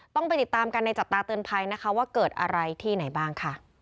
ต้องไปติดตามกันในจับตาเตือนภัยนะคะว่าเกิดอะไรที่ไหนบ้างค่ะ